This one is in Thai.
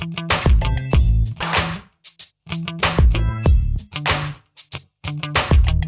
ได้ค่ะขอบคุณค่ะ